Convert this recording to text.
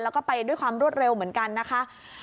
แล้วก็ไปด้วยความรวดเร็วเหมือนกันนะคะ